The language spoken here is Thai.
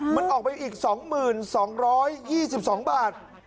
มันออกไปอีก๒๒๒บาท